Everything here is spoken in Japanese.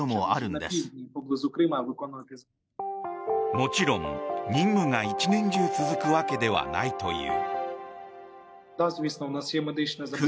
もちろん任務が１年中続くわけではないという。